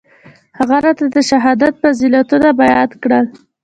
هغه راته د شهادت فضيلتونه بيان کړل.